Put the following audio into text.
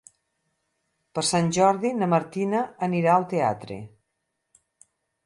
Per Sant Jordi na Martina anirà al teatre.